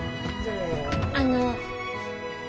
あの。